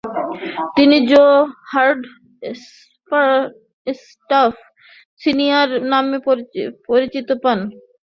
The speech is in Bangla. তিনি জো হার্ডস্টাফ সিনিয়র নামে পরিচিতি পান।